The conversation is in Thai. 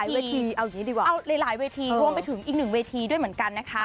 แล้วหลายเวทีข้องไปถึงอีก๑เวทีด้วยเหมือนกันนะคะ